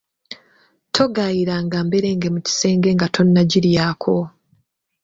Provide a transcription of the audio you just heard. Togayiranga mpengere mu kisenge nga tonnagiryako.